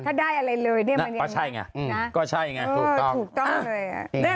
ถ้าได้อะไรเลยเนี่ยมันยังไงนะถูกต้องถูกต้องเลย